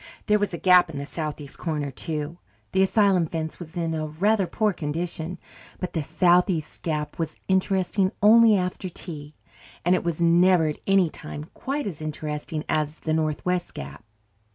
There was a gap in the southeast corner, too the asylum fence was in a rather poor condition but the southeast gap was interesting only after tea, and it was never at any time quite as interesting as the northwest gap.